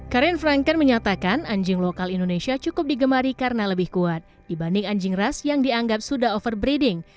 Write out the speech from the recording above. karin franken menyatakan anjing lokal indonesia cukup digemari karena lebih kuat dibanding anjing ras yang dianggap sudah overbreeding